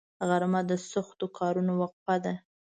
غرمه د سختو کارونو وقفه ده